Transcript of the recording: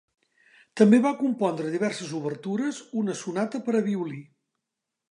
També va compondre diverses obertures, una sonata per a violí.